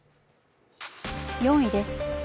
４位です。